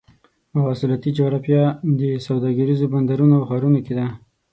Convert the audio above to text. مواصلاتي جغرافیه د سوداګریزو بندرونو او ښارونو کې ده.